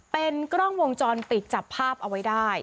เป็นกล้องวงจรปิดจับภาพเอาไว้ได้